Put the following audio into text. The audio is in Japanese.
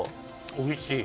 おいしい。